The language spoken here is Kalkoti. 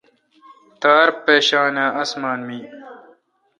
تار مشان اَاسمان می۔